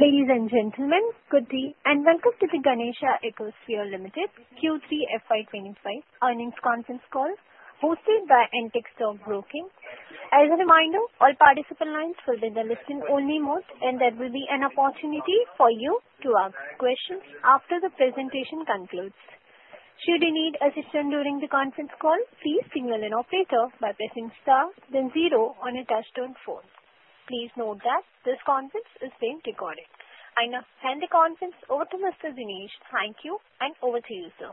Ladies and gentlemen, good day, and welcome to the Ganesha Ecosphere Limited Q3 FY 2025 earnings conference call hosted by Antique Stock Broking. As a reminder, all participant lines will be in listen-only mode, and there will be an opportunity for you to ask questions after the presentation concludes. Should you need assistance during the conference call, please signal an operator by pressing star, then zero on a touch-tone phone. Please note that this conference is being recorded. I now hand the conference over to Mr. Manish. Thank you, and over to you, sir.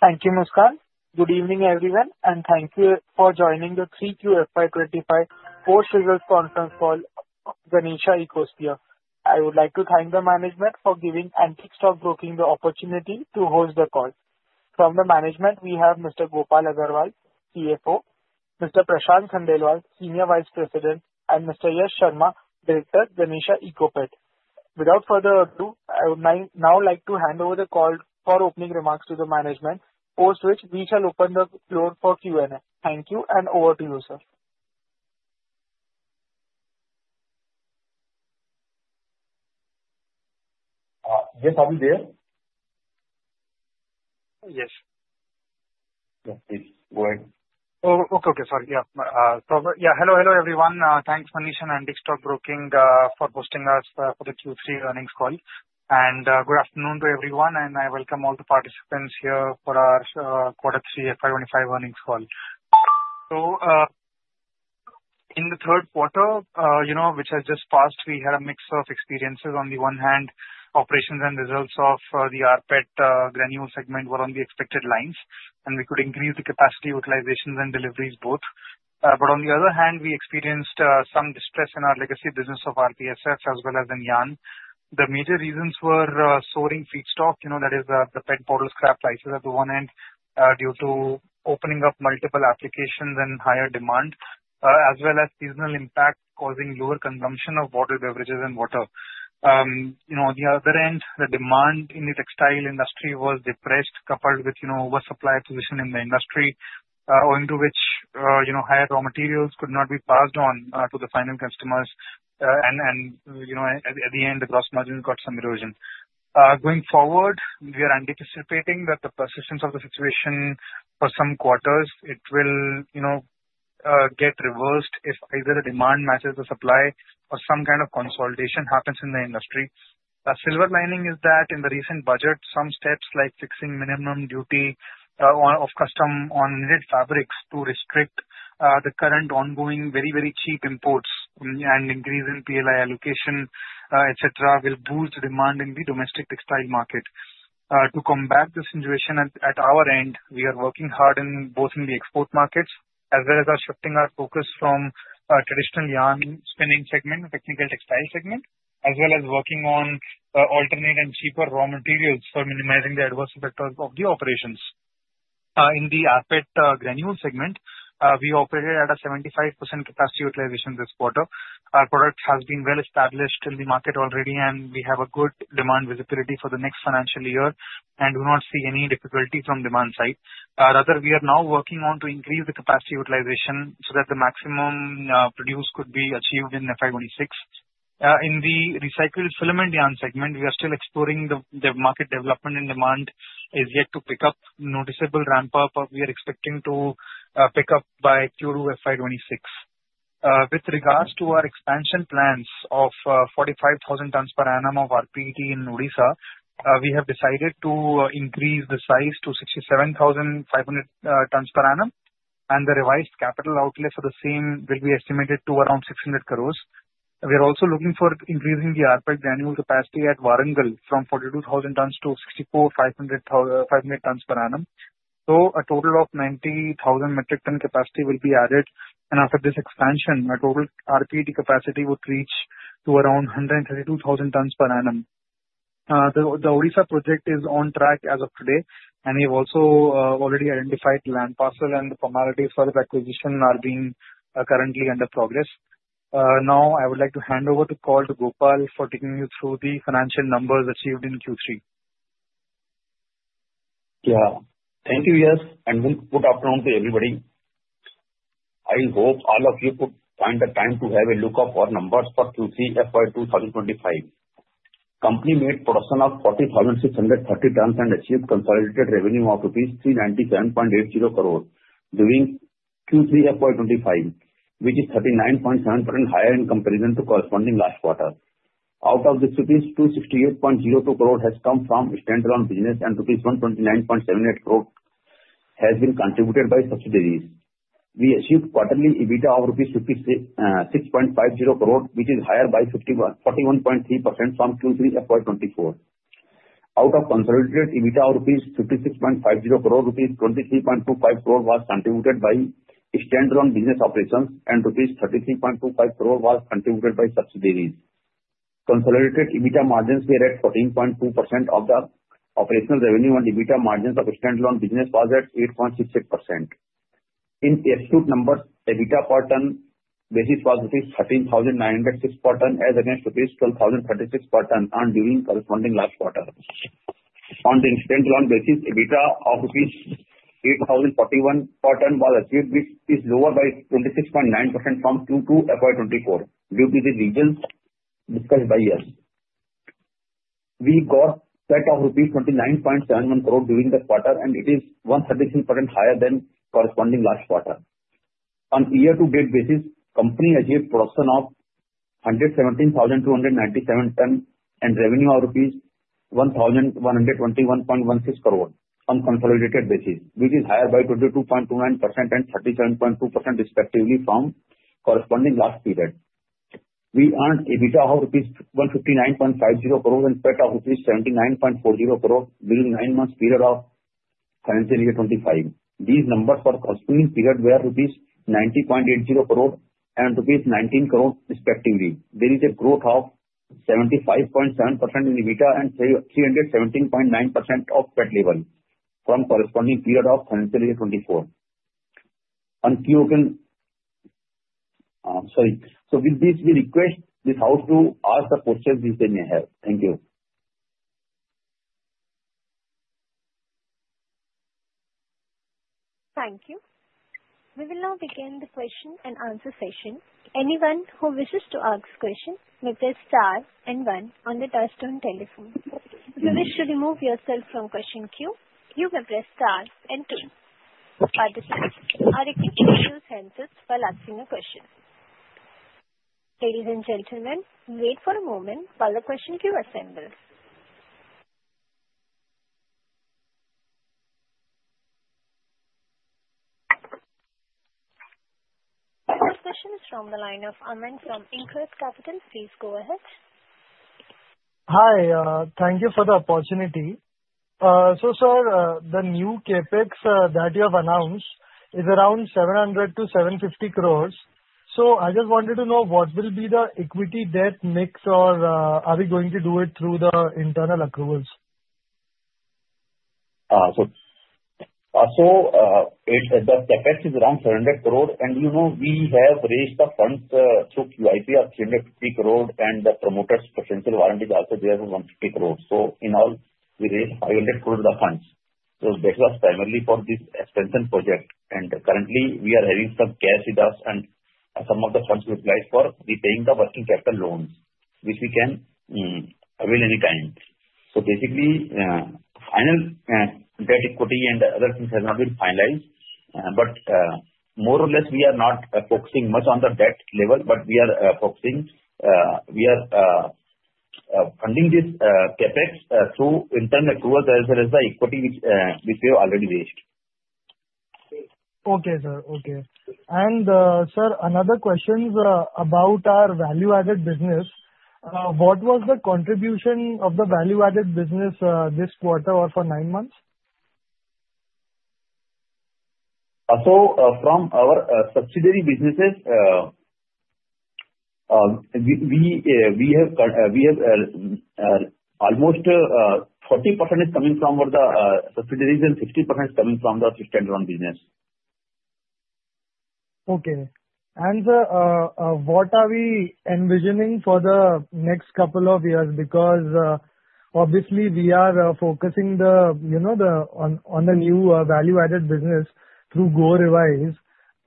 Thank you, Muskan. Good evening, everyone, and thank you for joining the 3Q FY 2025 post-result conference call of Ganesha Ecosphere. I would like to thank the management for giving Antique Stock Broking the opportunity to host the call. From the management, we have Mr. Gopal Agarwal, CFO, Mr. Prashant Khandelwal, Senior Vice President, and Mr. Yash Sharma, Director, Ganesha Ecosphere. Without further ado, I would now like to hand over the call for opening remarks to the management, post which we shall open the floor for Q&A. Thank you, and over to you, sir. Yes, are we there? Yes. Yes, please. Go ahead. Oh, okay, okay. Sorry. Yeah. So yeah, hello, hello, everyone. Thanks, Manish and Antique Stock Broking for hosting us for the Q3 earnings call. And good afternoon to everyone, and I welcome all the participants here for our quarter 3 FY 2025 earnings call. So in the third quarter, which has just passed, we had a mix of experiences. On the one hand, operations and results of the rPET granule segment were on the expected lines, and we could increase the capacity utilization and deliveries both. But on the other hand, we experienced some distress in our legacy business of RPSF as well as in yarn. The major reasons were soaring feedstock, that is, the PET bottle scrap prices at the one end due to opening up multiple applications and higher demand, as well as seasonal impact causing lower consumption of bottled beverages and water. On the other end, the demand in the textile industry was depressed, coupled with oversupply position in the industry, owing to which higher raw materials could not be passed on to the final customers, and at the end, the gross margin got some erosion. Going forward, we are anticipating that the persistence of the situation for some quarters will get reversed if either the demand matches the supply or some kind of consolidation happens in the industry. The silver lining is that in the recent budget, some steps like fixing minimum duty of customs on knitted fabrics to restrict the current ongoing very, very cheap imports and increase in PLI allocation, etc., will boost demand in the domestic textile market. To combat the situation at our end, we are working hard both in the export markets as well as shifting our focus from traditional yarn spinning segment, technical textile segment, as well as working on alternate and cheaper raw materials for minimizing the adverse effects of the operations. In the rPET granule segment, we operated at a 75% capacity utilization this quarter. Our product has been well established in the market already, and we have a good demand visibility for the next financial year and do not see any difficulty from demand side. Rather, we are now working on increasing the capacity utilization so that the maximum produce could be achieved in FY 2026. In the recycled filament yarn segment, we are still exploring the market development, and demand is yet to pick up. Noticeable ramp-up we are expecting to pick up by Q2 FY 2026. With regards to our expansion plans of 45,000 tons per annum of rPET in Odisha, we have decided to increase the size to 67,500 tons per annum, and the revised capital outlay for the same will be estimated to around 600 crores. We are also looking for increasing the rPET granule capacity at Warangal from 42,000 tons to 64,500 tons per annum. So a total of 90,000 metric ton capacity will be added, and after this expansion, our total rPET capacity would reach to around 132,000 tons per annum. The Odisha project is on track as of today, and we have also already identified land parcel, and the formalities for the acquisition are currently under progress. Now, I would like to hand over the call to Gopal for taking you through the financial numbers achieved in Q3. Yeah. Thank you, Yash, and good afternoon to everybody. I hope all of you could find the time to have a look at our numbers for Q3 FY 2025. Company made a production of 40,630 tons and achieved consolidated revenue of 397.80 crore during Q3 FY 2025, which is 39.7% higher in comparison to corresponding last quarter. Out of this, rupees 268.02 crore has come from standalone business, and rupees 129.78 crore has been contributed by subsidiaries. We achieved quarterly EBITDA of rupees 6.50 crore, which is higher by 41.3% from Q3 FY 2024. Out of consolidated EBITDA of 56.50 crore rupees, 23.25 crore was contributed by standalone business operations, and rupees 33.25 crore was contributed by subsidiaries. Consolidated EBITDA margins were at 14.2% of the operational revenue, and EBITDA margins of standalone business was at 8.66%. In absolute numbers, EBITDA per ton basis was 13,906 per ton, as against 12,036 per ton earned during corresponding last quarter. On the standalone basis, EBITDA of 8,041 per ton was achieved, which is lower by 26.9% from Q2 FY 2024 due to the reasons discussed by Yash. We got a PAT of rupees 29.71 crore during the quarter, and it is 133% higher than corresponding last quarter. On year-to-date basis, company achieved production of 117,297 tons and revenue of rupees 1,121.16 crore on consolidated basis, which is higher by 22.29% and 37.2% respectively from corresponding last period. We earned EBITDA of rupees 159.50 crore and PAT of rupees 79.40 crore during the nine-month period of financial year 2025. These numbers for the corresponding period were rupees 90.80 crore and rupees 19 crore respectively. There is a growth of 75.7% in EBITDA and 317.9% in PAT level from the corresponding period of financial year 24. Sorry. So with this, we request this house to ask the questions if they may have. Thank you. Thank you. We will now begin the question and answer session. Anyone who wishes to ask a question may press star and one on the touch-tone telephone. If you wish to remove yourself from question queue, you may press star and two. Participants are requesting to use handsets while asking a question. Ladies and gentlemen, wait for a moment while the question queue assembles. The first question is from the line of Aman from Equentis Capital. Please go ahead. Hi. Thank you for the opportunity. So, sir, the new CapEx that you have announced is around 700-750 crores. So I just wanted to know what will be the equity debt mix, or are we going to do it through the internal accruals? The CapEx is around 700 crores, and we have raised the funds through QIP of 350 crores, and the promoter's potential warranty is also there of INR 150 crores. In all, we raised 500 crores of funds. That was primarily for this expansion project. Currently, we are having some cash with us, and some of the funds we applied for, we're paying the working capital loans, which we can avail anytime. Basically, final debt equity and other things have not been finalized, but more or less, we are not focusing much on the debt level, but we are focusing on funding this CapEx through internal approvals as well as the equity which we have already raised. Okay, sir, and sir, another question about our value-added business. What was the contribution of the value-added business this quarter or for nine months? From our subsidiary businesses, almost 40% is coming from the subsidiaries and 60% is coming from the standalone business. Okay. And, sir, what are we envisioning for the next couple of years? Because obviously, we are focusing on the new value-added business through Go Rewise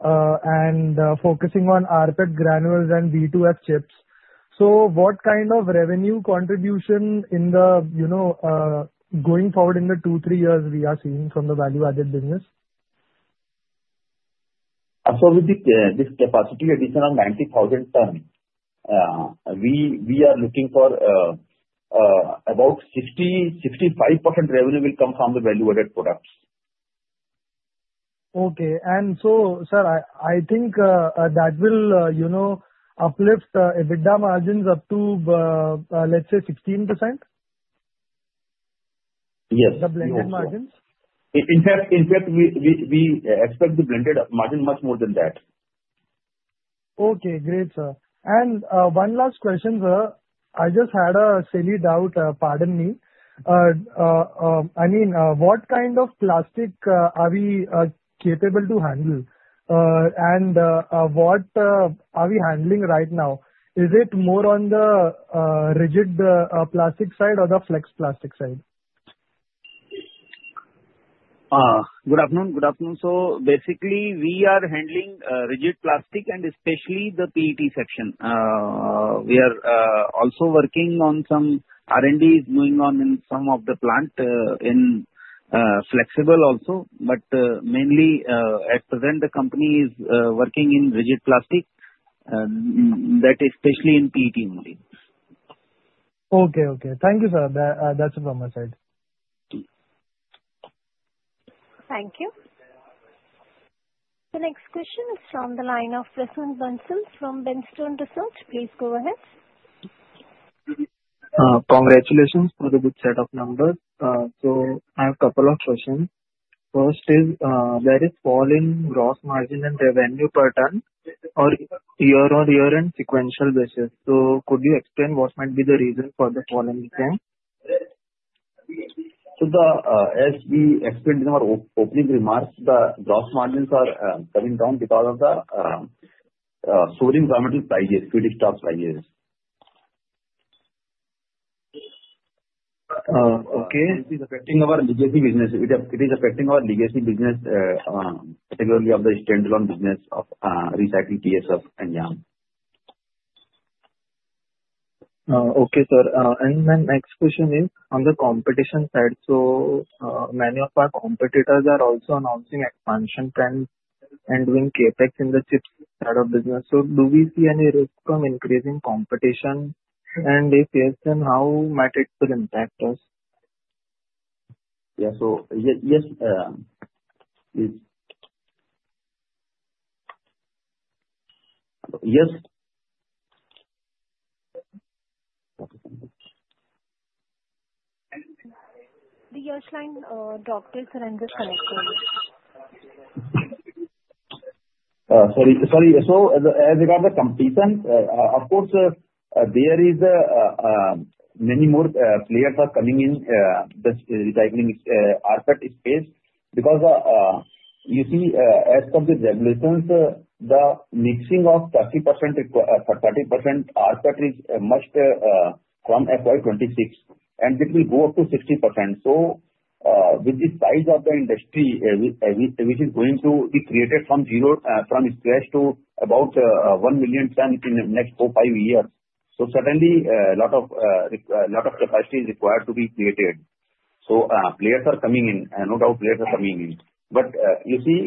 and focusing on rPET granules and B2F chips. So what kind of revenue contribution in the going forward in the two to three years we are seeing from the value-added business? So with this capacity addition of 90,000 tons, we are looking for about 60%, 65% revenue will come from the value-added products. Okay. And so, sir, I think that will uplift EBITDA margins up to, let's say, 16%? Yes. The blended margins? In fact, we expect the blended margin much more than that. Okay. Great, sir. And one last question, sir. I just had a silly doubt. Pardon me. I mean, what kind of plastic are we capable to handle, and what are we handling right now? Is it more on the rigid plastic side or the flex plastic side? Good afternoon. Good afternoon. So basically, we are handling rigid plastic and especially the PET section. We are also working on some R&D going on in some of the plant in flexible also. But mainly, at present, the company is working in rigid plastic, that is especially in PET only. Okay. Okay. Thank you, sir. That's it from my side. Thank you. The next question is from the line of [Prashant from Bernstein Research]. Please go ahead. Congratulations for the good set of numbers. So I have a couple of questions. First is, there is fall in gross margin and revenue per ton or year-on-year and sequential basis. So could you explain what might be the reason for the fall in the margin? So as we explained in our opening remarks, the gross margins are coming down because of the soaring raw material prices, feedstock prices. Okay. It is affecting our legacy business, particularly of the standalone business of recycled PSF and yarn. Okay, sir. And then next question is on the competition side. So many of our competitors are also announcing expansion plans and doing CapEx in the chips side of business. So do we see any risk from increasing competition? And if yes, then how might it impact us? Yeah. So yes. Yes. Yes. The line dropped, sir, and just connected. Sorry. Sorry. So as regards the competition, of course, there are many more players coming in this recycling rPET space because you see, as per the regulations, the mixing of 30% rPET is mandatory from FY 2026, and it will go up to 60%. So with this size of the industry, which is going to be created from scratch to about 1 million ton in the next four to five years, so certainly a lot of capacity is required to be created. So players are coming in. No doubt players are coming in. But you see,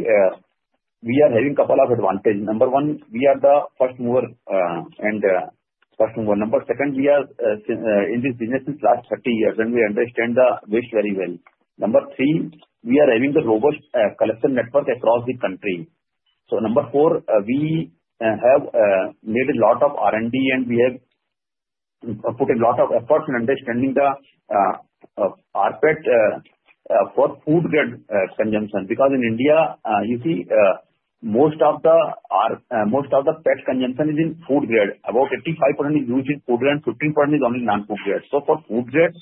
we are having a couple of advantages. Number one, we are the first mover and first mover. Number second, we are in this business since the last 30 years, and we understand the waste very well. Number three, we are having the robust collection network across the country. So number four, we have made a lot of R&D, and we have put a lot of effort in understanding the rPET for food-grade consumption because in India, you see, most of the PET consumption is in food-grade. About 85% is used in food-grade, 15% is only non-food-grade. So for food-grade,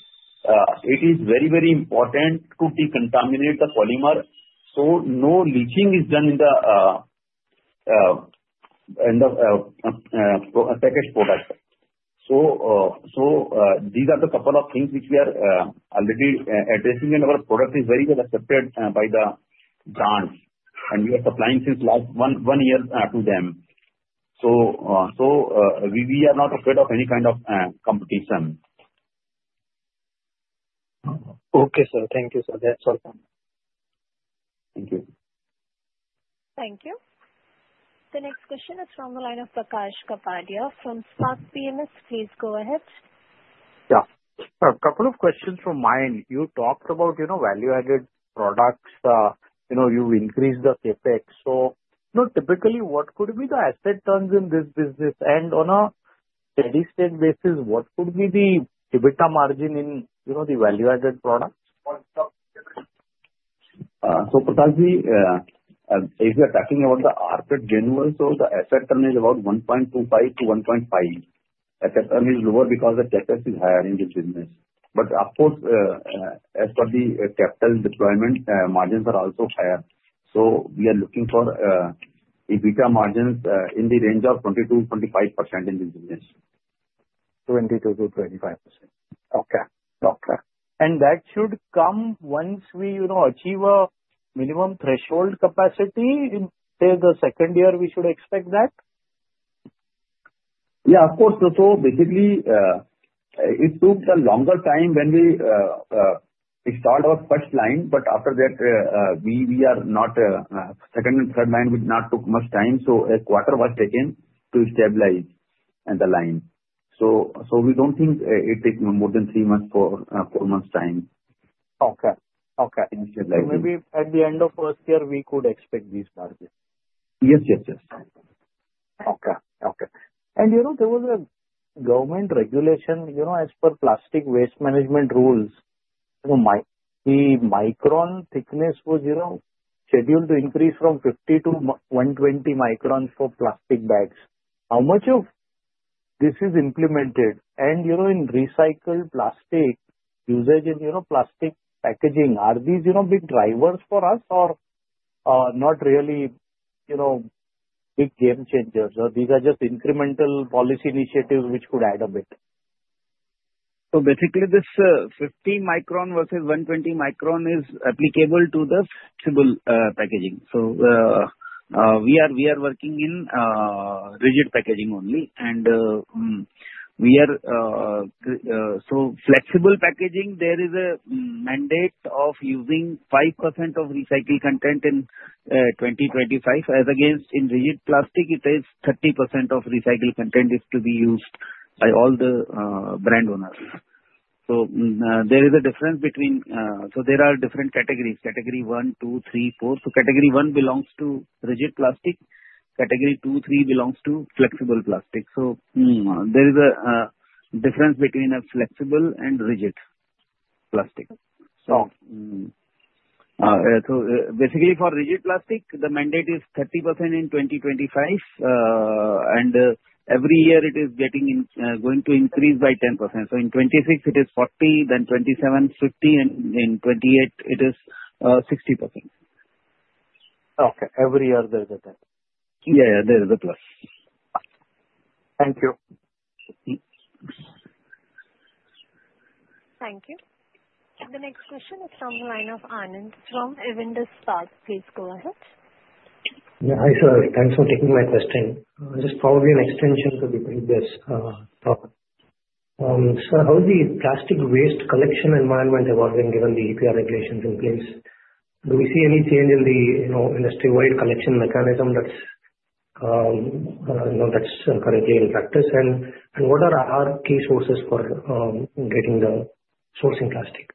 it is very, very important to decontaminate the polymer so no leaching is done in the packaged product. So these are the couple of things which we are already addressing, and our product is very well accepted by the brands, and we are supplying since last one year to them. So we are not afraid of any kind of competition. Okay, sir. Thank you, sir. That's all. Thank you. Thank you. The next question is from the line of Prakash Kapadia from Spark PMS. Please go ahead. Yeah. A couple of questions from my end. You talked about value-added products. You've increased the CapEx. So typically, what could be the asset turns in this business? And on a steady-state basis, what could be the EBITDA margin in the value-added products? Prakashji, if you're talking about the rPET granules, the asset turn is about 1.25-1.5. Asset turn is lower because the CapEx is higher in this business. But of course, as per the capital deployment, margins are also higher. We are looking for EBITDA margins in the range of 22%-25% in this business. 22%-25%. Okay. Okay. And that should come once we achieve a minimum threshold capacity. In the second year, we should expect that? Yeah. Of course. So basically, it took the longer time when we started our first line, but after that, second and third line did not take much time. So a quarter was taken to stabilize the line. So we don't think it takes more than three months to four months' time. Okay. Okay. Maybe at the end of first year, we could expect these margins. Yes. Yes. Yes. Okay. And there was a government regulation as per Plastic Waste Management Rules. The micron thickness was scheduled to increase from 50-120 microns for plastic bags. How much of this is implemented? And in recycled plastic usage and plastic packaging, are these big drivers for us or not really big game changers, or these are just incremental policy initiatives which could add a bit? Basically, this 50 micron versus 120 micron is applicable to the flexible packaging. We are working in rigid packaging only, and in flexible packaging, there is a mandate of using 5% of recycled content in 2025. As against in rigid plastic, it is 30% of recycled content to be used by all the brand owners. There is a difference between so there are different categories: Category I, II, III, IV. Category I belongs to rigid plastic. Category II, III belongs to flexible plastic. There is a difference between flexible and rigid plastic. Basically, for rigid plastic, the mandate is 30% in 2025, and every year it is going to increase by 10%. In 2026, it is 40%, then 2027, 50%, and in 2028, it is 60%. Okay. Every year, there is a 10. Yeah. Yeah. There is a plus. Thank you. Thank you. The next question is from the line of [Anand] from Avendus Spark. Please go ahead. Yeah. Hi, sir. Thanks for taking my question. Just probably an extension to the previous topic. Sir, how is the plastic waste collection environment evolving given the EPR regulations in place? Do we see any change in the industry-wide collection mechanism that's currently in practice? And what are our key sources for getting the sourcing plastic?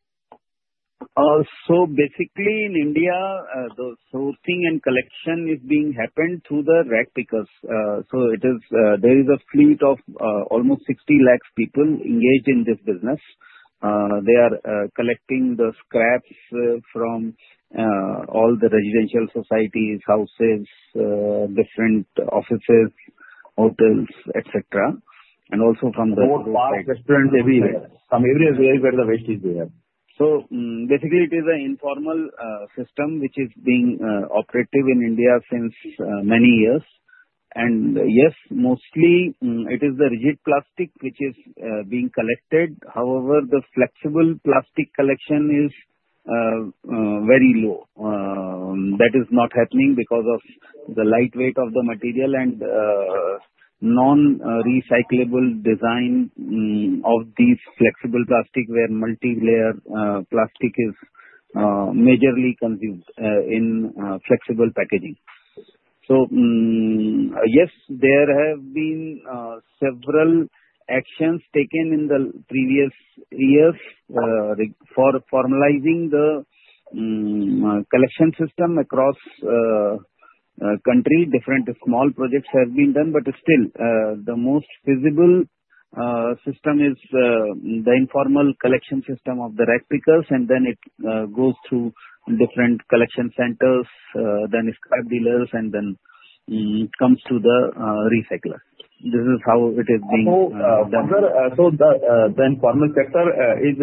Basically, in India, the sourcing and collection is being happened through the rag pickers. There is a fleet of almost 60 lakh people engaged in this business. They are collecting the scraps from all the residential societies, houses, different offices, hotels, etc., and also from the restaurants everywhere, from everywhere where the waste is there. Basically, it is an informal system which is being operative in India since many years. Yes, mostly, it is the rigid plastic which is being collected. However, the flexible plastic collection is very low. That is not happening because of the lightweight of the material and non-recyclable design of these flexible plastics where multi-layer plastic is majorly consumed in flexible packaging. Yes, there have been several actions taken in the previous years for formalizing the collection system across the country. Different small projects have been done, but still, the most feasible system is the informal collection system of the rag pickers, and then it goes through different collection centers, then scrap dealers, and then comes to the recycler. This is how it is being done. So the informal sector is.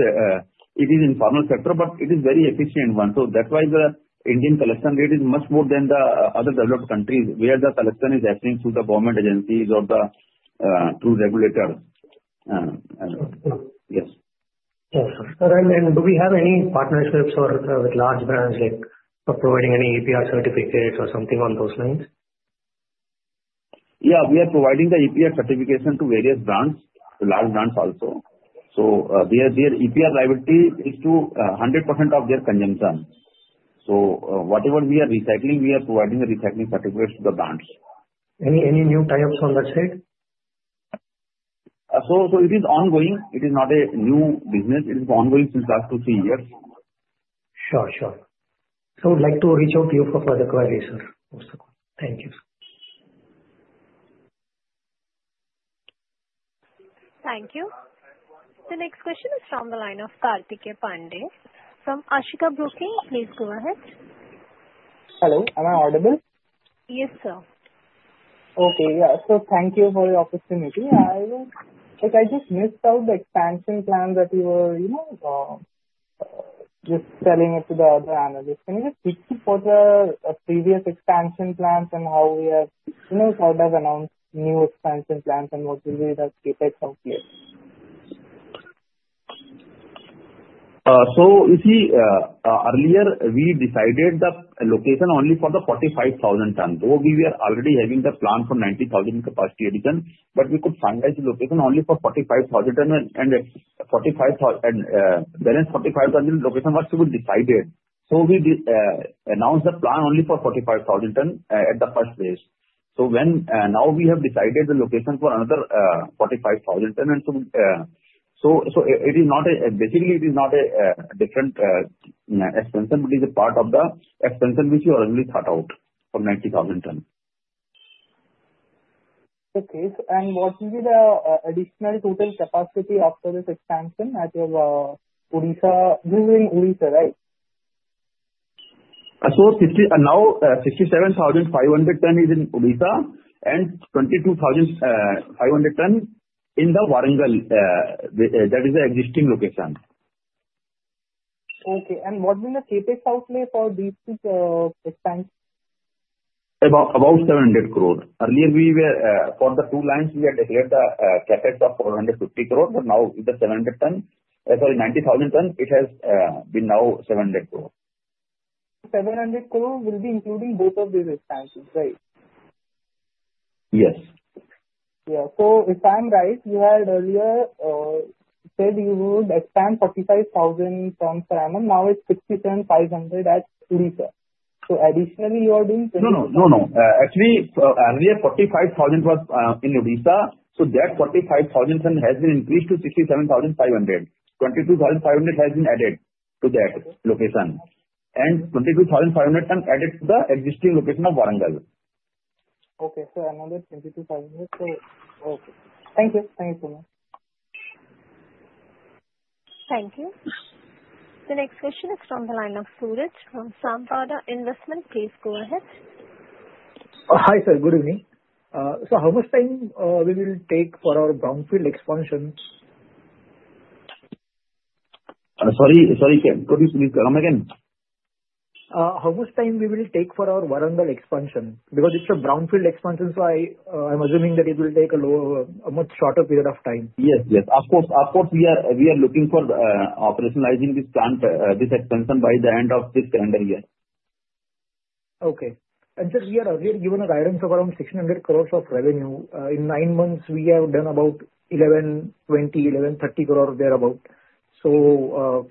It is informal sector, but it is a very efficient one. So that's why the Indian collection rate is much more than the other developed countries where the collection is happening through the government agencies or through regulators. Yes. Do we have any partnerships with large brands for providing any EPR certificates or something along those lines? Yeah. We are providing the EPR certification to various brands, large brands also. So their EPR liability is to 100% of their consumption. So whatever we are recycling, we are providing the recycling certificates to the brands. Any new tie-ups on that side? So it is ongoing. It is not a new business. It is ongoing since the last two, three years. Sure. Sure. So I would like to reach out to you for further queries, sir. Thank you. Thank you. The next question is from the line of Karthikeya Pandey from Ashika Broking. Please go ahead. Hello. Am I audible? Yes, sir. Okay. Yeah. So thank you for the opportunity. I just missed out the expansion plan that you were just telling it to the analysts. Can you just repeat what were the previous expansion plans and how they have announced new expansion plans and what will be the CapEx out there? So you see, earlier, we decided the location only for the 45,000 tons. Though we were already having the plan for 90,000 capacity addition, but we could finalize the location only for 45,000 tons. And when 45,000 tons location was decided, so we announced the plan only for 45,000 tons at the first place. So now we have decided the location for another 45,000 tons. And so it is not basically a different expansion, but it is a part of the expansion which we already thought out for 90,000 tons. Okay. And what will be the additional total capacity after this expansion at Odisha using Odisha, right? Now 67,500 ton is in Odisha and 22,500 ton in the Warangal. That is the existing location. Okay, and what will the CapEx outlay for these expansions? About 700 crore. Earlier, for the two lines, we had declared the CapEx of 450 crore, but now with the 90,000 ton, it has been now 700 crore. 700 crore will be including both of these expansions, right? Yes. Yeah. So if I'm right, you had earlier said you would expand 45,000 ton from Warangal. Now it's 67,500 at Odisha. So additionally, you are doing 22,000. No, no, no, no. Actually, earlier, 45,000 was in Odisha. So that 45,000 tons has been increased to 67,500. 22,500 has been added to that location. And 22,500 tons added to the existing location of Warangal. Okay. So another 22,500. Okay. Thank you. Thank you so much. Thank you. The next question is from the line of [Suraj] from Sampada Investments. Please go ahead. Hi, sir. Good evening. So how much time will it take for our brownfield expansion? Sorry, sorry. Could you please come again? How much time will it take for our Warangal expansion? Because it's a brownfield expansion, so I'm assuming that it will take a much shorter period of time. Yes, yes. Of course, we are looking for operationalizing this expansion by the end of this calendar year. Okay. And sir, we are given a guidance of around 600 crores of revenue. In nine months, we have done about 1,120, 1,130 crore thereabout. So,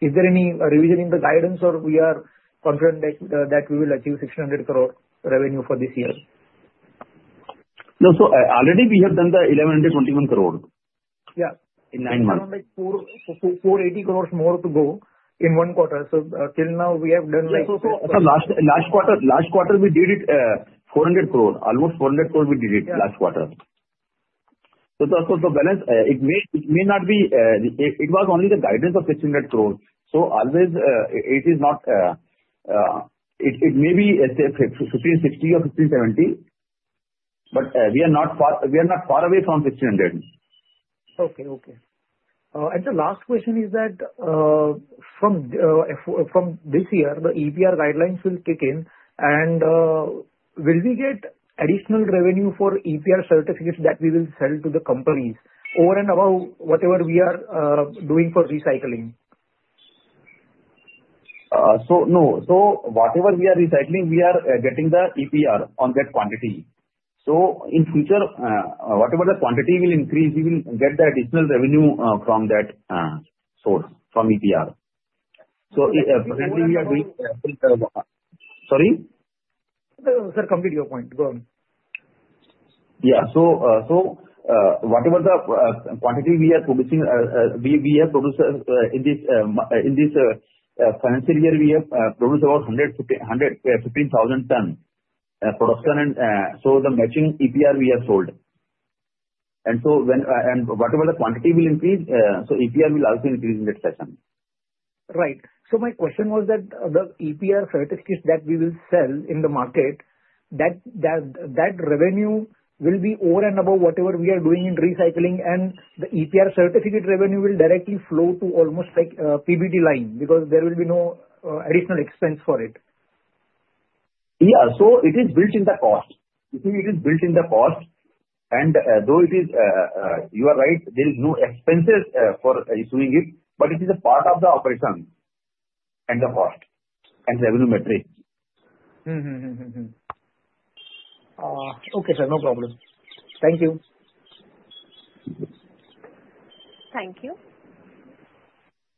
is there any revision in the guidance, or we are confident that we will achieve 600 crore revenue for this year? No. So already, we have done the 11.21 crore in nine months. Yeah. So we have done like 480 crores more to go in one quarter. So till now, we have done like. Last quarter, we did almost 400 crore last quarter. The balance may not be. It was only the guidance of 600 crore. Always, it may be 1560 or 1570, but we are not far away from 1500. Okay. And the last question is that from this year, the EPR guidelines will kick in, and will we get additional revenue for EPR certificates that we will sell to the companies over and above whatever we are doing for recycling? So, no. So whatever we are recycling, we are getting the EPR on that quantity. So in future, whatever the quantity will increase, we will get the additional revenue from that source, from EPR. So currently, we are doing sorry? Sir, complete your point. Go on. Yeah. So whatever the quantity we are producing, we have produced in this financial year, we have produced about 115,000 tons production. And so the matching EPR we have sold. And whatever the quantity will increase, so EPR will also increase in that session. Right. So my question was that the EPR certificates that we will sell in the market, that revenue will be over and above whatever we are doing in recycling, and the EPR certificate revenue will directly flow to almost like PBT line because there will be no additional expense for it. Yeah. So it is built in the cost. You see, it is built in the cost. And though it is, you are right, there is no expenses for issuing it, but it is a part of the operation and the cost and revenue metric. Okay, sir. No problem. Thank you. Thank you.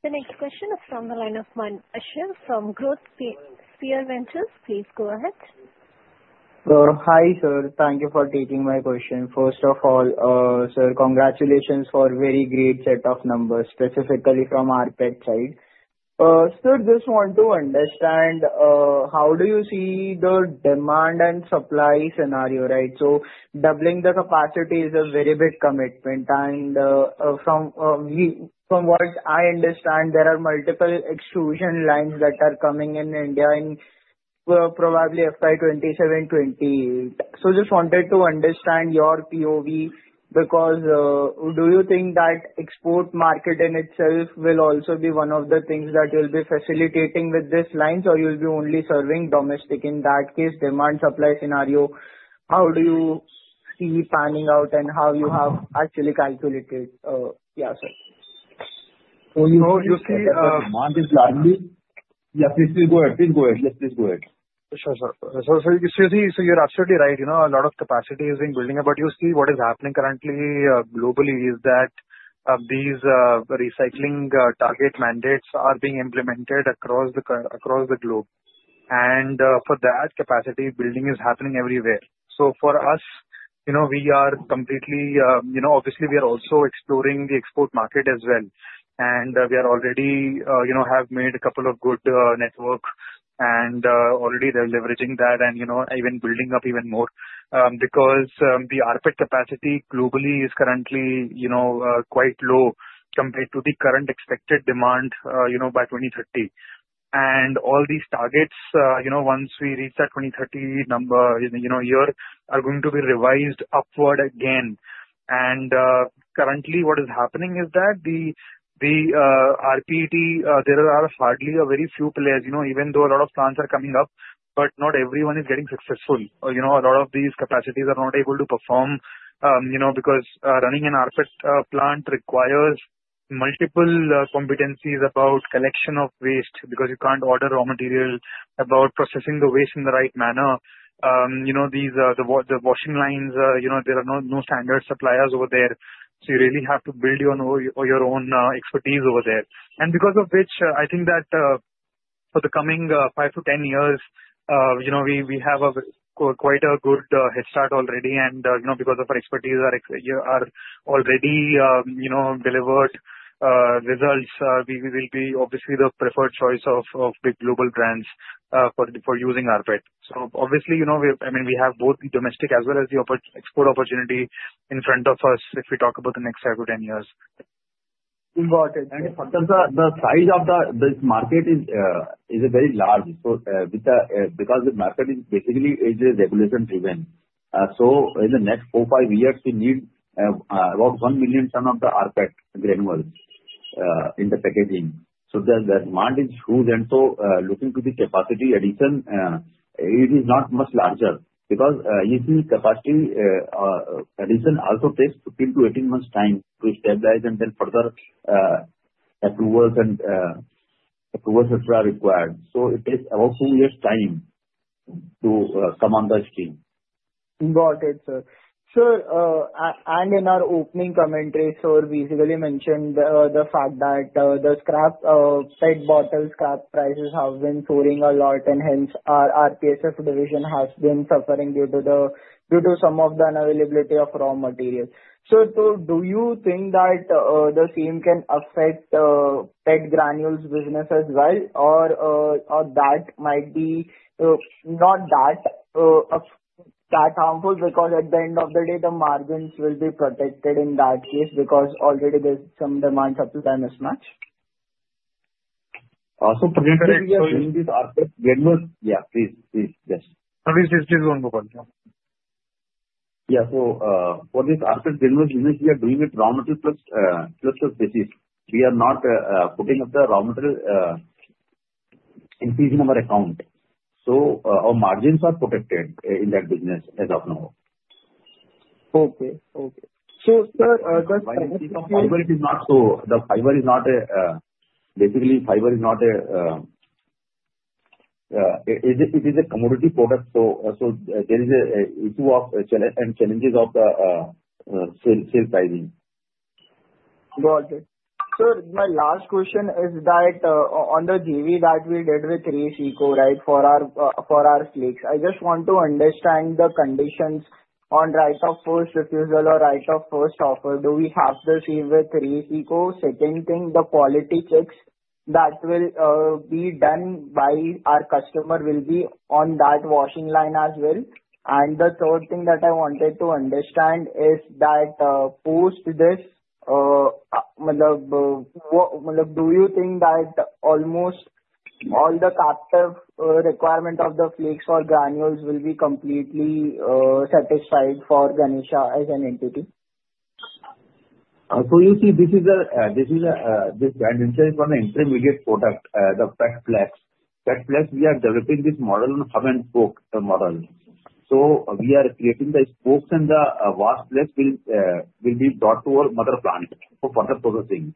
The next question is from the line of Mann Ashar from GrowthSphere Ventures. Please go ahead. Hi, sir. Thank you for taking my question. First of all, sir, congratulations for a very great set of numbers, specifically from rPET side. Sir, just want to understand how do you see the demand and supply scenario, right? So doubling the capacity is a very big commitment. And from what I understand, there are multiple extrusion lines that are coming in India in probably FY 2027-2028. So just wanted to understand your POV because do you think that export market in itself will also be one of the things that you'll be facilitating with these lines, or you'll be only serving domestic? In that case, demand-supply scenario, how do you see panning out and how you have actually calculated? Yeah, sir. So you see. So the demand is largely. Yes, please go ahead. Please go ahead. Yes, please go ahead. Sure, sir. So you're absolutely right. A lot of capacity is being built. But you see what is happening currently globally is that these recycling target mandates are being implemented across the globe. And for that capacity building, it is happening everywhere. So for us, we are completely obviously, we are also exploring the export market as well. And we already have made a couple of good networks, and already they're leveraging that and even building up even more because the rPET capacity globally is currently quite low compared to the current expected demand by 2030. And all these targets, once we reach that 2030 number, here are going to be revised upward again. And currently, what is happening is that the rPET, there are hardly very few players. Even though a lot of plants are coming up, but not everyone is getting successful. A lot of these capacities are not able to perform because running an rPET plant requires multiple competencies about collection of waste because you can't order raw material, about processing the waste in the right manner. The washing lines, there are no standard suppliers over there, so you really have to build your own expertise over there, and because of which, I think that for the coming five to 10 years, we have quite a good head start already, and because of our expertise, already delivered results, we will be obviously the preferred choice of big global brands for using rPET, so obviously, I mean, we have both domestic as well as the export opportunity in front of us if we talk about the next five to 10 years. Got it. The size of this market is very large. So because the market is basically regulation-driven. In the next four, five years, we need about 1 million tons of rPET granules for packaging. The demand is huge. Looking to the capacity addition, it is not much larger because you see capacity addition also takes 15-18 months' time to stabilize and then further approvals and approvals that are required. It takes about 10 years' time to come on stream. Got it, sir. Sir, and in our opening commentary, sir, we already mentioned the fact that the scrap PET bottle scrap prices have been soaring a lot, and hence our RPSF division has been suffering due to some of the unavailability of raw material. So do you think that the same can affect PET granules business as well, or that might be not that harmful because at the end of the day, the margins will be protected in that case because already there's some demand-supply mismatch? So, for this rPET granules, yeah, please, please. Yes. Sorry, sir. Please go on. Yeah. So for this rPET granules business, we are doing it raw material plus basis. We are not putting up the raw material increase in our account. So our margins are protected in that business as of now. So, sir, does fiber? Fiber is basically a commodity product, so there is an issue and challenges of the sales pricing. Got it. Sir, my last question is that on the JV that we did with Race Eco, right, for our flakes, I just want to understand the conditions on right of first refusal or right of first offer. Do we have the same with Race Eco? Second thing, the quality checks that will be done by our customer will be on that washing line as well. And the third thing that I wanted to understand is that post this, do you think that almost all the captive requirement of the flakes or granules will be completely satisfied for Ganesha as an entity? So you see, this is a brand for an intermediate product, the PET flakes. PET flakes, we are developing this model on hub and spoke model. So we are creating the spokes, and the washed flakes will be brought to our mother plant for further processing.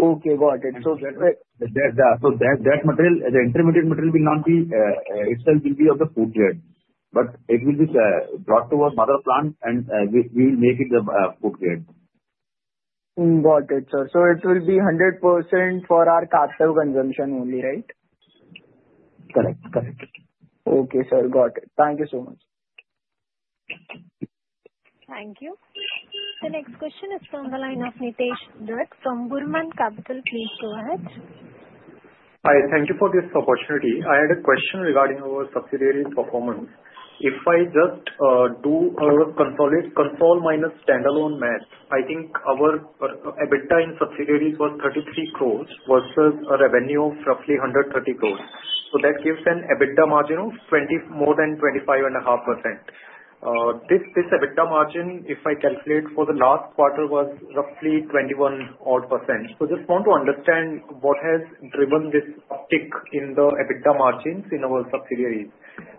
Okay. Got it. That material, the intermediate material, will not be of the food grade itself, but it will be brought to our mother plant, and we will make it the food grade. Got it, sir. So it will be 100% for our captive consumption only, right? Correct. Correct. Okay, sir. Got it. Thank you so much. Thank you. The next question is from the line of Nitesh Dutt from Burman Capital. Please go ahead. Hi. Thank you for this opportunity. I had a question regarding our subsidiary's performance. If I just do a consolidated minus standalone math, I think our EBITDA in subsidiaries was 33 crores versus a revenue of roughly 130 crores. So that gives an EBITDA margin of more than 25.5%. This EBITDA margin, if I calculate for the last quarter, was roughly 21% odd. So just want to understand what has driven this uptick in the EBITDA margins in our subsidiaries,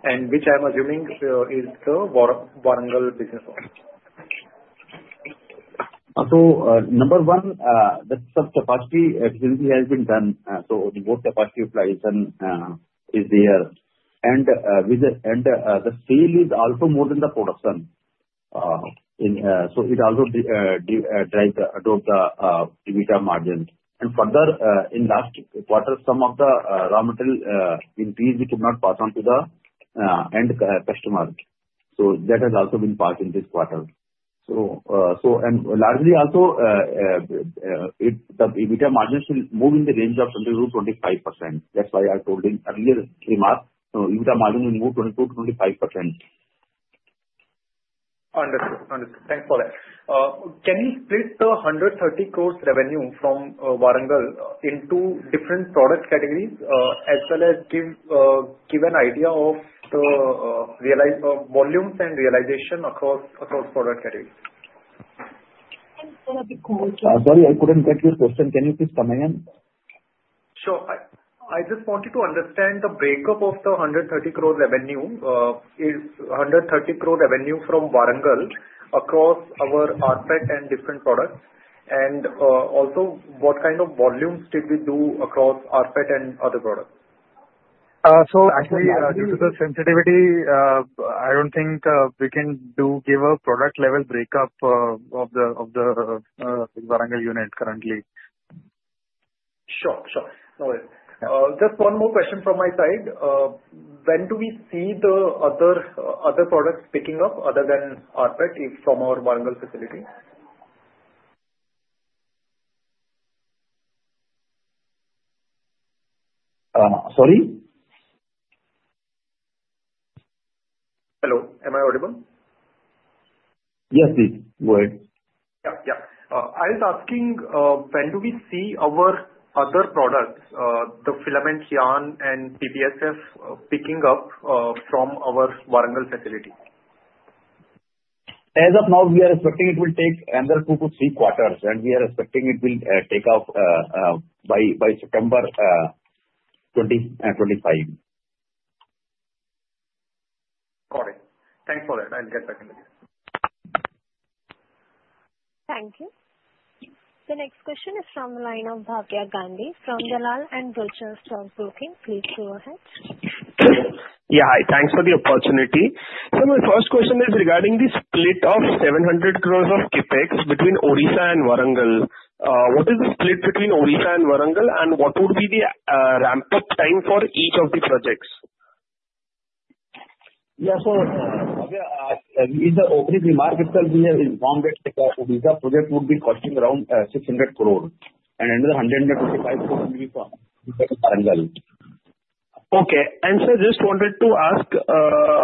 and which I'm assuming is the Warangal business. So number one, the sub-capacity efficiency has been done. So the more capacity applied is there. And the sale is also more than the production. So it also drives the EBITDA margin. And further, in last quarter, some of the raw material increase we could not pass on to the end customer. So that has also been passed in this quarter. And largely also, the EBITDA margin should move in the range of 20%-25%. That's why I told in earlier remark, the EBITDA margin will move 20%-25%. Understood. Understood. Thanks for that. Can you split the 130 crore revenue from Warangal into different product categories as well as give an idea of the volumes and realization across product categories? Sorry, I couldn't get your question. Can you please come again? Sure. I just wanted to understand the breakup of the 130 crore revenue. Is 130 crore revenue from Warangal across our rPET and different products? And also, what kind of volumes did we do across rPET and other products? So actually, due to the sensitivity, I don't think we can give a product-level breakup of the Warangal unit currently. Sure. Sure. No worries. Just one more question from my side. When do we see the other products picking up other than rPET from our Warangal facility? Sorry? Hello. Am I audible? Yes, please. Go ahead. Yeah. Yeah. I was asking when do we see our other products, the filament yarn and PSF, picking up from our Warangal facility? As of now, we are expecting it will take another two to three quarters, and we are expecting it will take off by September 2025. Got it. Thanks for that. I'll get back in touch with you. Thank you. The next question is from the line of Bhavya Gandhi. From Dalal & Broacha Stock Broking, please go ahead. Yeah. Hi. Thanks for the opportunity. My first question is regarding the split of 700 crore of CapEx between Odisha and Warangal. What is the split between Odisha and Warangal, and what would be the ramp-up time for each of the projects? Yeah. So in the opening remark, itself, we have informed that the Odisha project would be costing around 600 crore, and another 125 crore will be for Warangal. Okay, and sir, just wanted to ask,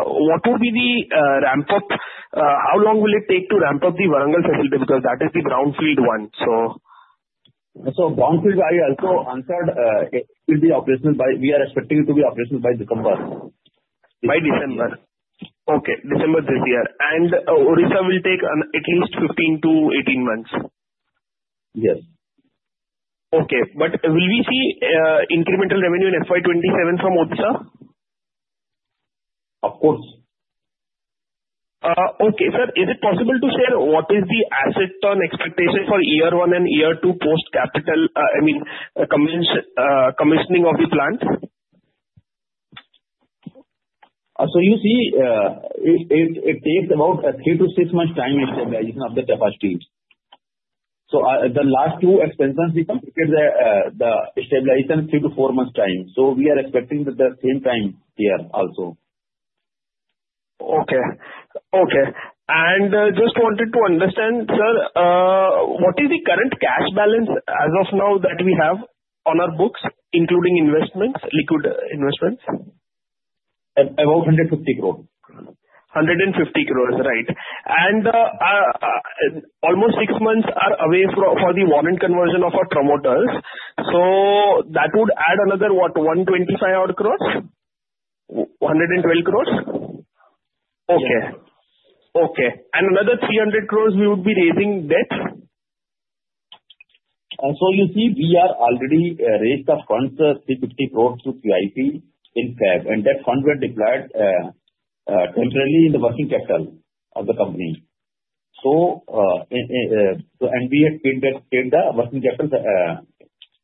what would be the ramp-up? How long will it take to ramp up the Warangal facility because that is the brownfield one? So, brownfield, I also answered. We are expecting it to be operational by December. By December. Okay. December this year. Odisha will take at least 15-18 months? Yes. Okay, but will we see incremental revenue in FY 2027 from Odisha? Of course. Okay. Sir, is it possible to share what is the asset turn expectation for year one and year two post capital, I mean, commissioning of the plant? So you see, it takes about three to six months' time of the capacity. So the last two expansions we calculated the stabilization three to four months' time. So we are expecting the same time here also. Okay. Okay. And just wanted to understand, sir, what is the current cash balance as of now that we have on our books, including liquid investments? About 150 crore. 150 crores. Right. And almost six months are away for the warrant conversion of our promoters. So that would add another what, 125 crores? 112 crores? Yes. Okay. Okay. And another 300 crores, we would be raising debt? So you see, we have already raised the funds, 350 crores to QIP in February. And that fund were deployed temporarily in the working capital of the company. So NBFC paid the working capital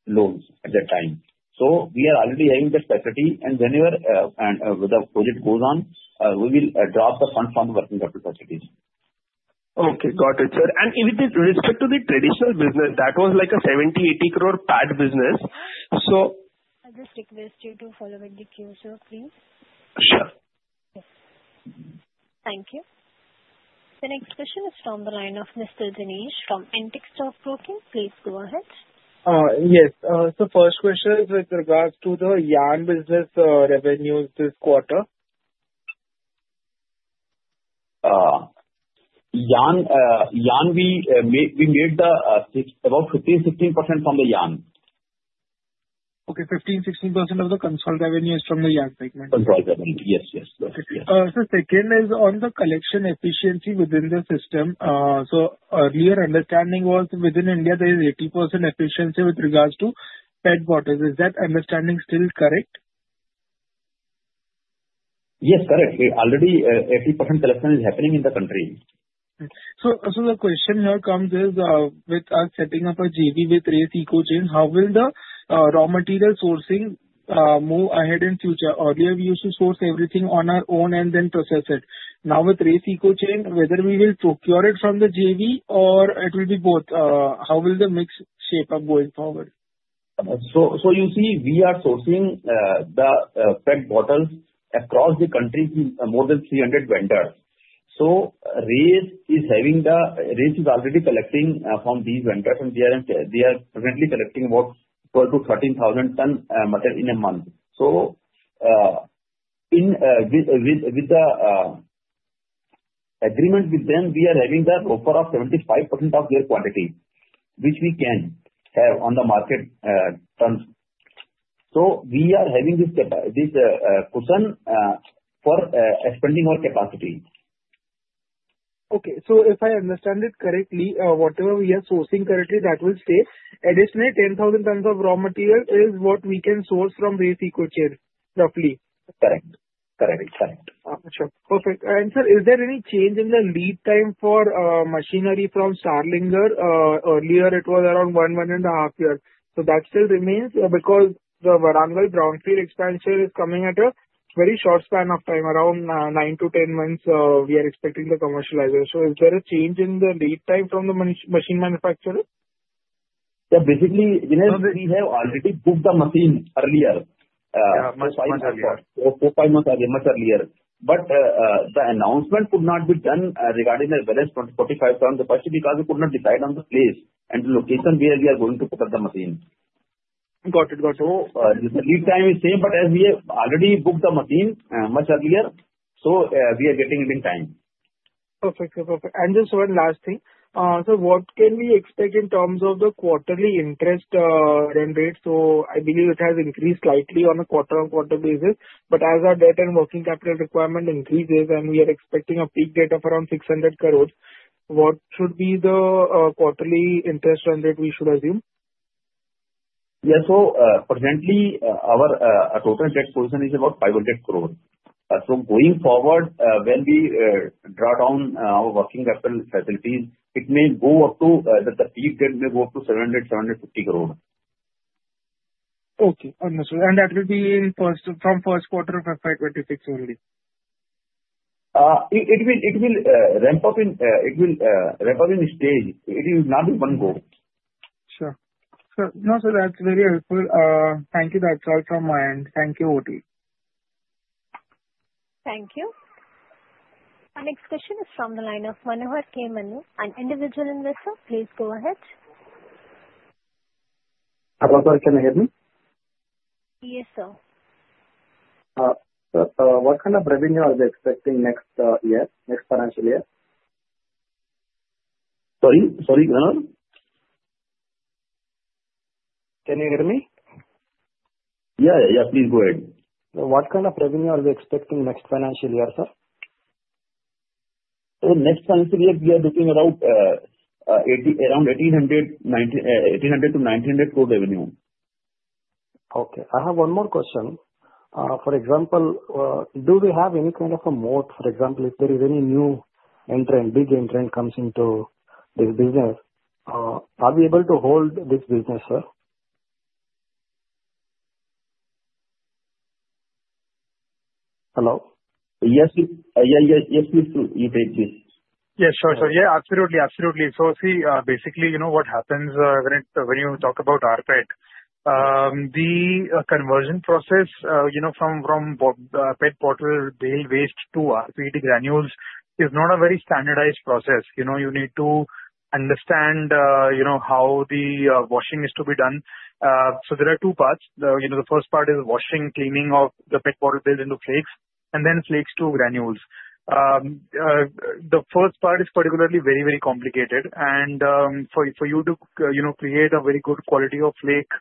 loans at that time. So we are already having that facility. And whenever the project goes on, we will drop the fund from the working capital facility. Okay. Got it, sir. And with respect to the traditional business, that was like a 70-80 crore PET business. So. I'll just request you to follow in the queue, sir. Please. Yes. Thank you. The next question is from the line of Mr. Manish from Antique Stock Broking. Please go ahead. Yes. So first question is with regards to the yarn business revenues this quarter. Yarn, we made about 15%-16% from the yarn. Okay. 15%-16% of the consolidated revenue is from the yarn segment. Consolidated revenue. Yes, yes. Yes. Okay. So second is on the collection efficiency within the system. So earlier understanding was within India, there is 80% efficiency with regards to PET bottles. Is that understanding still correct? Yes, correct. Already 80% collection is happening in the country. So the question here comes is with us setting up a JV with Race Eco chain, how will the raw material sourcing move ahead in future? Earlier, we used to source everything on our own and then process it. Now with Race Eco chain, whether we will procure it from the JV or it will be both, how will the mix shape up going forward? So you see, we are sourcing the PET bottles across the country from more than 300 vendors. So Race Eco is already collecting from these vendors, and they are currently collecting about 12,000-13,000 tons of material in a month. So with the agreement with them, we are having the offtake of 75% of their quantity, which we can have on the metric tons. So we are having this cushion for expanding our capacity. Okay. So if I understand it correctly, whatever we are sourcing currently, that will stay. Additionally, 10,000 tons of raw material is what we can source from Race Eco chain, roughly. Correct. Correct. Correct. Sure. Perfect. And sir, is there any change in the lead time for machinery from Starlinger? Earlier, it was around one and a half years. So that still remains because the Warangal brownfield expansion is coming at a very short span of time, around nine to 10 months, we are expecting the commercialization. So is there a change in the lead time from the machine manufacturer? Yeah. Basically, we have already booked the machine earlier. Yeah. Much earlier. Four, five months earlier, much earlier. But the announcement could not be done regarding the balance, 20%, 45%, 70% because we could not decide on the place and the location where we are going to put up the machine. Got it. Got it. So the lead time is the same, but as we have already booked the machine much earlier, so we are getting it in time. Perfect. Perfect. And just one last thing. So what can we expect in terms of the quarterly interest rate? So I believe it has increased slightly on a quarter-on-quarter basis. But as our debt and working capital requirement increases, and we are expecting a peak debt of around 600 crores, what should be the quarterly interest rate we should assume? Yeah. So presently, our total debt position is about 500 crores. So going forward, when we draw down our working capital facilities, the peak debt may go up to INR 700-750 crores. Okay. Understood, and that will be from first quarter of FY 2026 only? It will ramp up in stages. It will not be one go. Sure. Sure. No, sir. That's very helpful. Thank you. That's all from my end. Thank you. Thank you. The next question is from the line of Manohar K. Mannu. An individual investor. Please go ahead. Hello? Can you hear me? Yes, sir. Sir, what kind of revenue are we expecting next year, next financial year? Sorry. Sorry. Can you hear me? Yeah. Yeah. Yeah. Please go ahead. What kind of revenue are we expecting next financial year, sir? So next financial year, we are looking around 1,800-1,900 crore revenue. Okay. I have one more question. For example, do we have any kind of a moat? For example, if there is any new entrant, big entrant comes into this business, are we able to hold this business, sir? Hello? Yes, please do. You take this. Yes. Sure. Sure. Yeah. Absolutely. Absolutely. So see, basically, what happens when you talk about rPET, the conversion process from PET bottle bale waste to rPET granules is not a very standardized process. You need to understand how the washing is to be done. So there are two parts. The first part is washing, cleaning of the PET bottle bales into flakes, and then flakes to granules. The first part is particularly very, very complicated. And for you to create a very good quality of flake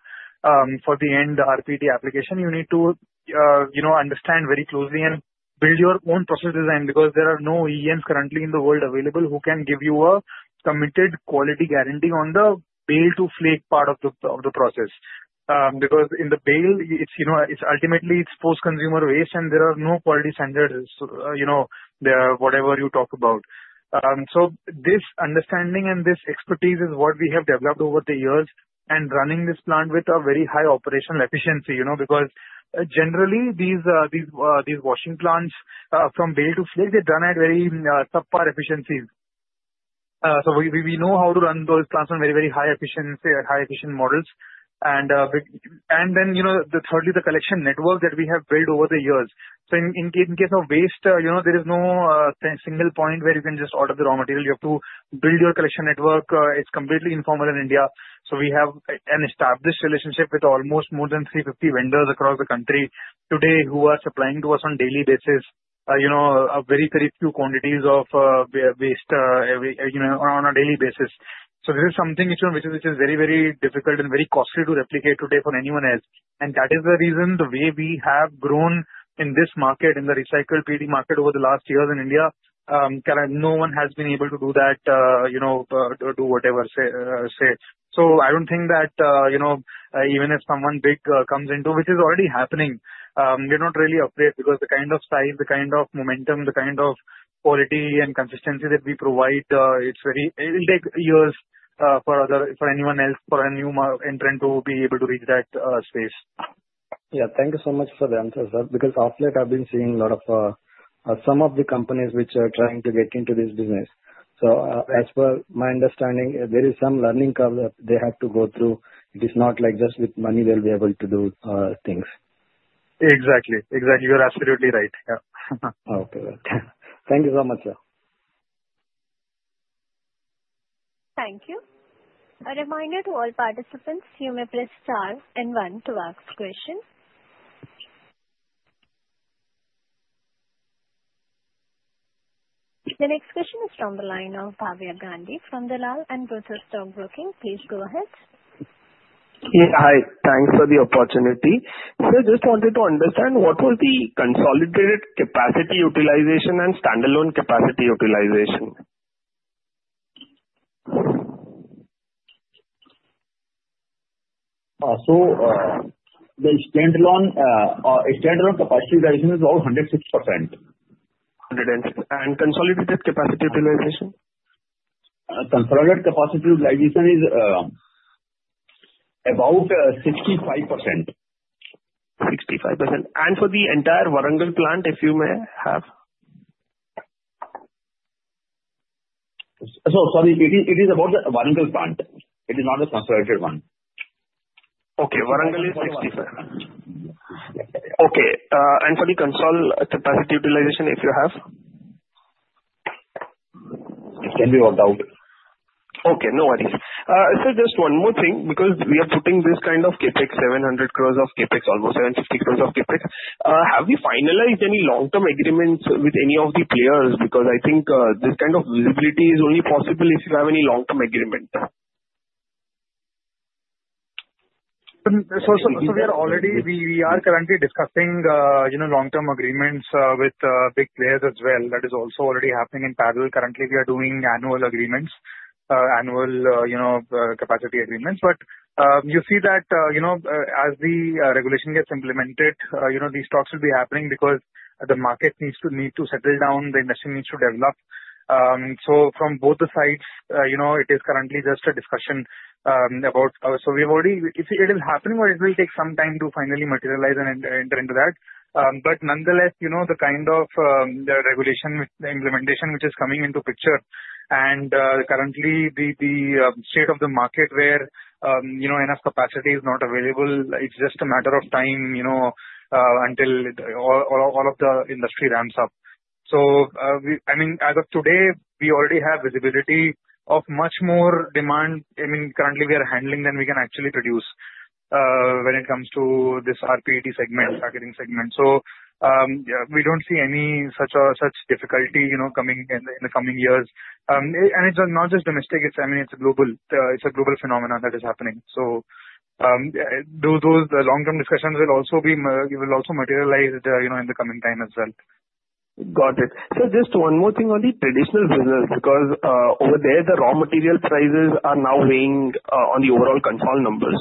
for the end rPET application, you need to understand very closely and build your own process design because there are no OEMs currently in the world available who can give you a committed quality guarantee on the bale-to-flake part of the process. Because in the bale, ultimately, it's post-consumer waste, and there are no quality standards, whatever you talk about. This understanding and this expertise is what we have developed over the years and running this plant with a very high operational efficiency. Because generally, these washing plants from bale to flake, they're done at very subpar efficiencies. We know how to run those plants on very, very high-efficiency models. Then thirdly, the collection network that we have built over the years. In case of waste, there is no single point where you can just order the raw material. You have to build your collection network. It's completely informal in India. We have an established relationship with almost more than 350 vendors across the country today who are supplying to us on a daily basis, very, very few quantities of waste on a daily basis. This is something which is very, very difficult and very costly to replicate today for anyone else. And that is the reason the way we have grown in this market, in the recycled PET market over the last years in India, no one has been able to do that, do whatever, say. So I don't think that even if someone big comes into, which is already happening, we're not really afraid because the kind of size, the kind of momentum, the kind of quality and consistency that we provide, it's very it will take years for anyone else, for a new entrant, to be able to reach that space. Yeah. Thank you so much for the answer, sir. Because of late, I've been seeing a lot of some of the companies which are trying to get into this business. So as per my understanding, there is some learning curve that they have to go through. It is not like just with money, they'll be able to do things. Exactly. Exactly. You're absolutely right. Yeah. Okay. Thank you so much, sir. Thank you. A reminder to all participants, you may press star and one to ask questions. The next question is from the line of Bhavya Gandhi from Dalal & Broacha Stock Broking. Please go ahead. Hi. Thanks for the opportunity. Sir, just wanted to understand what was the consolidated capacity utilization and standalone capacity utilization? The standalone capacity utilization is about 106%. 106%. And consolidated capacity utilization? Consolidated capacity utilization is about 65%. 65%. And for the entire Warangal plant, if you may? So sorry, it is about the Warangal plant. It is not the consolidated one. Okay. Warangal is 65%. Okay. And for the consolidated capacity utilization, if you have? It can be worked out. Okay. No worries. Sir, just one more thing. Because we are putting this kind of CapEx, 700 crores of CapEx, almost 750 crores of CapEx, have we finalized any long-term agreements with any of the players? Because I think this kind of visibility is only possible if you have any long-term agreement. So we are currently discussing long-term agreements with big players as well. That is also already happening in parallel. Currently, we are doing annual agreements, annual capacity agreements. But you see that as the regulation gets implemented, these talks will be happening because the market needs to settle down. The industry needs to develop. So from both the sides, it is currently just a discussion about. So it is happening, but it will take some time to finally materialize and enter into that. But nonetheless, the kind of regulation implementation which is coming into picture. And currently, the state of the market where enough capacity is not available, it's just a matter of time until all of the industry ramps up. So I mean, as of today, we already have visibility of much more demand. I mean, currently, we are handling more than we can actually produce when it comes to this rPET segment, packaging segment. So we don't see any such difficulty coming in the coming years. It's not just domestic. I mean, it's a global phenomenon that is happening. The long-term discussions will also materialize in the coming time as well. Got it. Sir, just one more thing on the traditional business. Because over there, the raw material prices are now weighing on the overall consolidated numbers.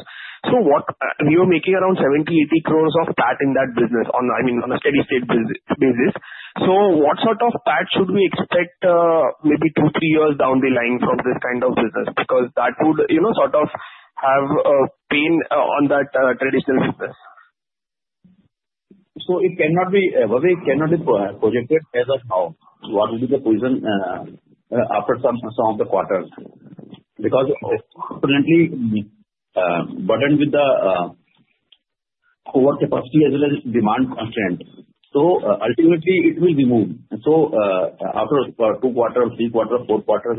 So we were making around 70-80 crores of PAT in that business, I mean, on a steady-state basis. So what sort of PAT should we expect maybe two, three years down the line from this kind of business? Because that would sort of have an impact on that traditional business. So it cannot be everything cannot be projected as of now. What will be the position after some of the quarters? Because currently, burdened with the overcapacity as well as demand constraints. So ultimately, it will be moved. So after two quarters, three quarters, four quarters,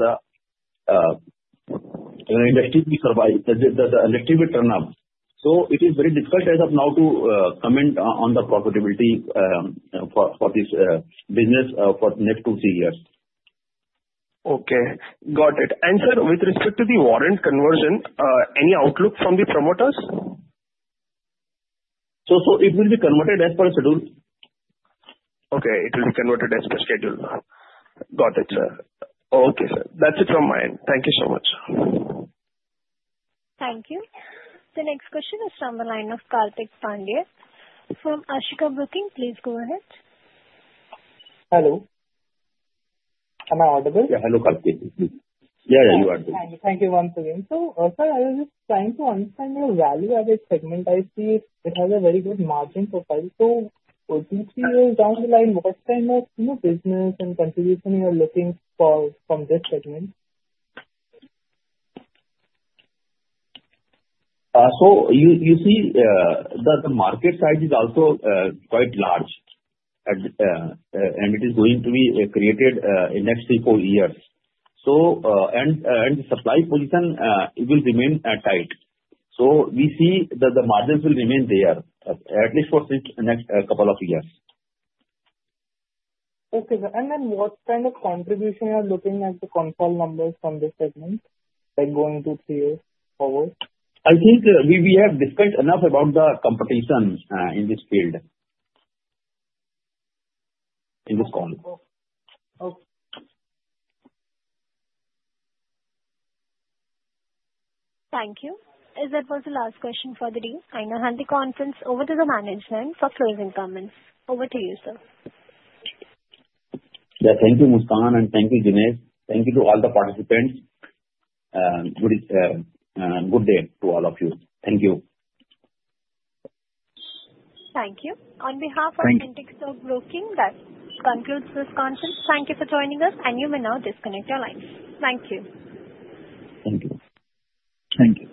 the industry will survive. The industry will turn up. So it is very difficult as of now to comment on the profitability for this business for the next two, three years. Okay. Got it. And sir, with respect to the warrant conversion, any outlook from the promoters? So it will be converted as per schedule. Okay. It will be converted as per schedule. Got it, sir. Okay, sir. That's it from my end. Thank you so much. Thank you. The next question is from the line of Karthikeya Pandey from Ashika Broking, please go ahead. Hello. Am I audible? Yeah. Hello, Karthikey. Yeah. Yeah. You are good. Thank you once again. So sir, I was just trying to understand your value-added segment. I see it has a very good margin profile. So would you see down the line, what kind of business and contribution you are looking for from this segment? So you see that the market size is also quite large, and it is going to be created in the next three, four years. And the supply position will remain tight. So we see that the margins will remain there, at least for the next couple of years. Okay. And then what kind of contribution are you looking at the consolidated numbers from this segment, like going two, three years forward? I think we have discussed enough about the competition in this field, in this call. Thank you. As that was the last question for the day, I now hand the conference over to the management for closing comments. Over to you, sir. Yeah. Thank you, Manish, and thank you, Ganesha. Thank you to all the participants. Good day to all of you. Thank you. Thank you. On behalf of Antique Stock Broking, that concludes this conference. Thank you for joining us, and you may now disconnect your lines. Thank you. Thank you. Thank you.